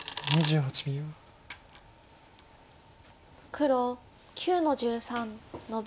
黒９の十三ノビ。